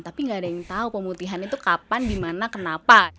tapi nggak ada yang tahu pemutihan itu kapan dimana kenapa